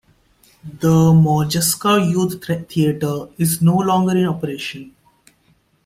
The Modjeska Youth Theater is no longer in operation.